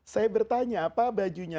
saya bertanya apa bajunya